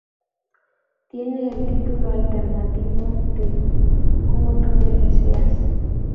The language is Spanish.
Tiene el título alternativo de "Como tú me deseas".